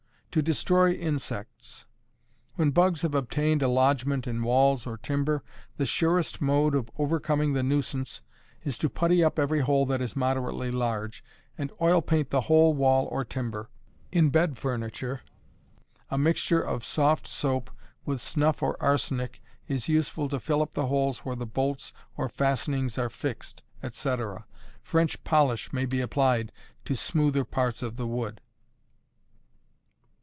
To Destroy Insects. When bugs have obtained a lodgment in walls or timber, the surest mode of overcoming the nuisance is to putty up every hole that is moderately large, and oil paint the whole wall or timber. In bed furniture, a mixture of soft soap, with snuff or arsenic, is useful to fill up the holes where the bolts or fastenings are fixed, etc. French polish may be applied to smoother parts of the wood.